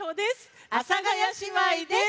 阿佐ヶ谷姉妹です。